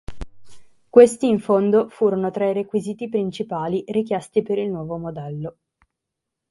Questi in fondo furono tra i requisiti principali richiesti per il nuovo modello.